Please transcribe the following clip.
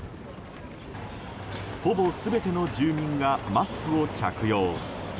ほぼ全ての住民がマスクを着用。